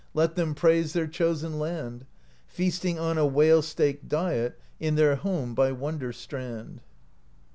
Let them praise their chosen land. Feasting on a whale steak diet, In their home by Wonder strand.